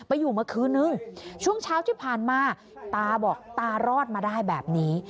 อยู่มาคืนนึงช่วงเช้าที่ผ่านมาตาบอกตารอดมาได้แบบนี้